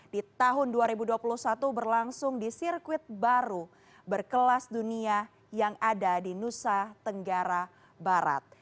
di tahun dua ribu dua puluh satu berlangsung di sirkuit baru berkelas dunia yang ada di nusa tenggara barat